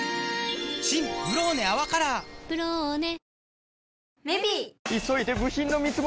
新「ブローネ泡カラー」「ブローネ」